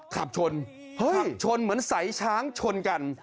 ขับชนเหมือนใส่ช้างชนกัน